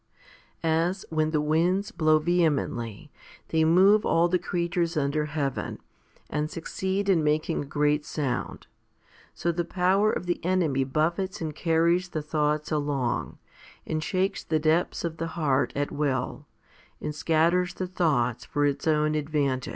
9. As, when the winds blow vehemently, they move all the creatures under heaven, and succeed in making a great sound, so the power of the enemy buffets and carries the thoughts along, and shakes the depths of the heart at will, and scatters the thoughts for its own advantage.